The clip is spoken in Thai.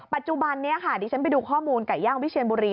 ปัจจุบันนี้ค่ะดิฉันไปดูข้อมูลไก่ย่างวิเชียนบุรี